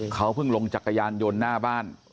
เขาเพิ่งลงจักรยานยนต์หน้าบ้าน